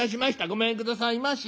ごめんくださいまし。